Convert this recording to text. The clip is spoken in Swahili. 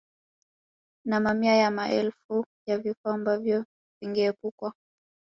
Na mamia ya maelfu ya vifo ambavyo vingeepukwa